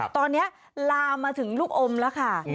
ตอนนี้ลามมาถึงลูกอมแล้วค่ะ